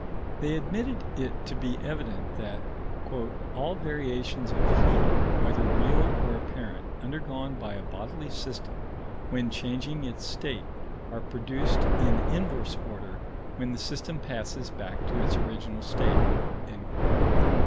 They admitted it to be evident that "all variations of heat, whether real or apparent, undergone by a bodily system when changing its state, are produced in inverse order when the system passes back to its original state."